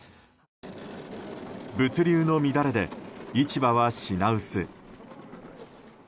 物流の乱れで市場は品薄。